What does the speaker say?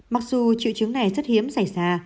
mặc dù triệu chứng này rất hiếm xảy ra